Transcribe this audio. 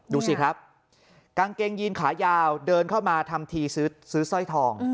ดูสิครับกางเกงยีนขายาวเดินเข้ามาทำทีซื้อสร้อยทอง